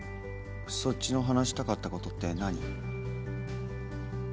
そっちの話したかったことって何？